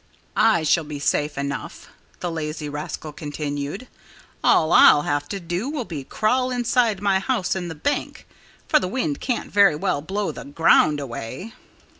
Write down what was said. "I shall be safe enough," the lazy rascal continued. "All I'll have to do will be to crawl inside my house in the bank; for the wind can't very well blow the ground away."